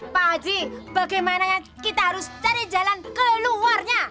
pak haji bagaimana kita harus cari jalan ke luarnya